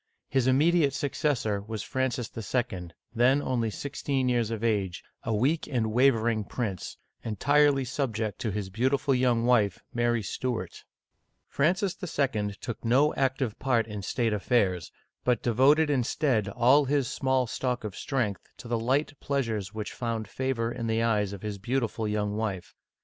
His im mediate successor was Francis II., then only sixteen years of age, a weak and wavering prince, entirely subject to his beautiful young wife, Mary Stuart. Francis II. took no active part in state affairs, but de voted instead all his small stock of strength to the light pleasures which found favor in the eyes of his beautiful young wife.